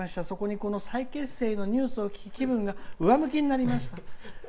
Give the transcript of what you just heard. そこで再結成の話を聞き、気分が上向きになりました」。